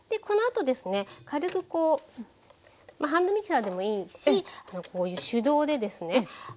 このあとですね軽くハンドミキサーでもいいし手動でですね